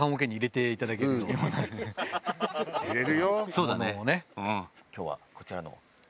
そうだね。